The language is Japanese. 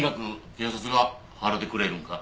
警察が払うてくれるんか？